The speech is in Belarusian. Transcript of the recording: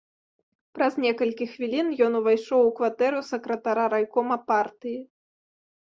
Праз некалькі хвілін ён увайшоў у кватэру сакратара райкома партыі.